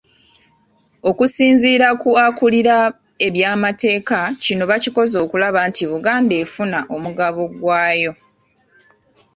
Okusinziira ku akulira ebyamateeka kino bakikoze okulaba nti Buganda efuna omugabo gwayo.